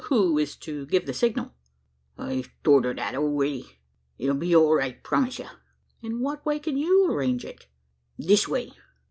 Who is to give the signal?" "I've thort o' that a'ready. It'll be all right, promise ye." "In what way can you arrange it?" "This way.